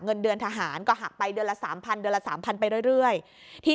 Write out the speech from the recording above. เงินเดือนทหารก็หักไปเดือนละ๓๐๐เดือนละ๓๐๐ไปเรื่อยที่